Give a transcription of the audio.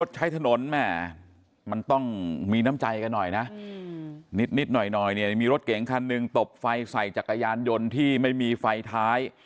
แม่มันต้องมีน้ำใจกันหน่อยนะนิดหน่อยเนี่ยมีรถเก๋งคันหนึ่งตบไฟใส่จักรยานยนต์ที่ไม่มีไฟท้าย